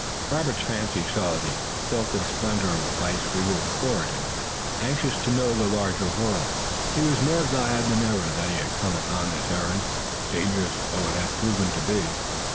Robert's fancy saw the silken splendor of a vice regal court, and, anxious to know the larger world, he was more glad than ever that he had come upon this errand, dangerous though it had proved to be.